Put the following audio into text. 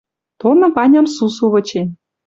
Тоны Ваням сусу вычен —